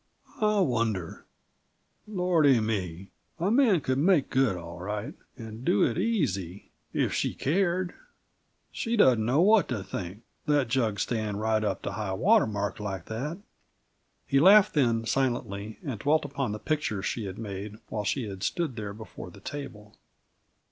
I wonder Lordy me! A man could make good, all right, and do it easy, if she cared! She doesn't know what to think that jug staying right up to high water mark, like that!" He laughed then, silently, and dwelt upon the picture she had made while she had stood there before the table.